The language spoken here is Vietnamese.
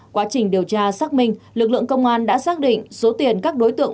quá trình điều tra xác minh lực lượng công an đã xác định số tiền các đối tượng